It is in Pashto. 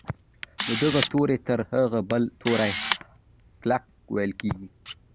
دغه توری تر هغه بل توري کلک ویل کیږي.